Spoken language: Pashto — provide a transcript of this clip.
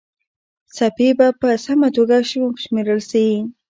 څپې به په سمه توګه وشمېرل سي.